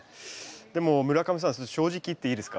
でも村上さん正直言っていいですか？